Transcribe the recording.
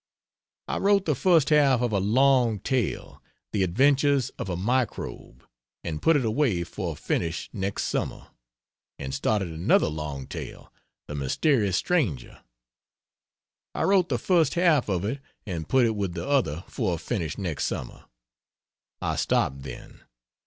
I wrote the first half of a long tale "The Adventures of a Microbe" and put it away for a finish next summer, and started another long tale "The Mysterious Stranger;" I wrote the first half of it and put it with the other for a finish next summer. I stopped, then.